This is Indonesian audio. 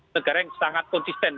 negara yang sangat konsisten